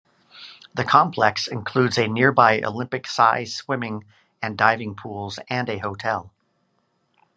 The complex includes a nearby Olympic size swimming and diving pools and a hotel.